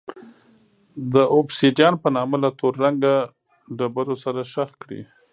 د اوبسیدیان په نامه له تور رنګه ډبرو سره ښخ کړي.